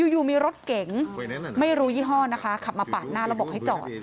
อยู่มีรถเก๋งไม่รู้ยี่ห้อนะคะขับมาปาดหน้าแล้วบอกให้จอด